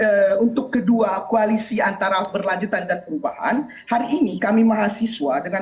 nah untuk kedua koalisi antara berlanjutan dan perubahan hari ini kami mahasiswa dengan